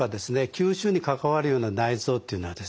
吸収に関わるような内臓というのはですね